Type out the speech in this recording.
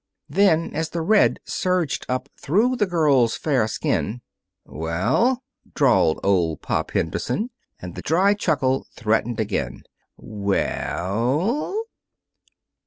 Then, as the red surged up through the girl's fair skin, "Well?" drawled old Pop Henderson, and the dry chuckle threatened again. "We e ell?"